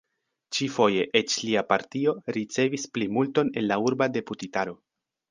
Ĉi-foje eĉ lia partio ricevis plimulton en la urba deputitaro.